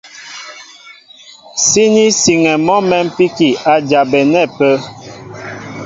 Síní siŋɛ mɔ́ mɛ̌mpíki a jabɛnɛ́ ápə́.